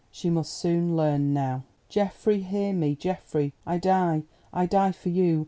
_ She must soon learn now! "Geoffrey! hear me, Geoffrey!—I die, I die for you!